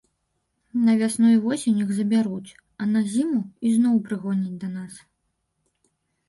На вясну і восень іх забяруць, а на зіму ізноў прыгоняць да нас.